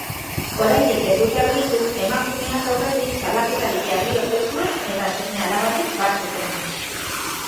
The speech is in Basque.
Oraindik ez dute argitu emakumeak aurretik salaketarik jarri ote zuen eta seme-alabarik bazuten.